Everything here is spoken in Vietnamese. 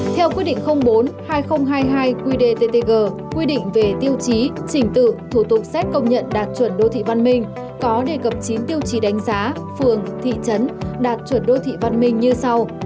theo quyết định bốn hai nghìn hai mươi hai qdttg quy định về tiêu chí trình tự thủ tục xét công nhận đạt chuẩn đô thị văn minh có đề cập chín tiêu chí đánh giá phường thị trấn đạt chuẩn đô thị văn minh như sau